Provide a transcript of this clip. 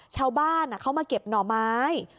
ชาวบ้านเขามาเก็บหน่อไม้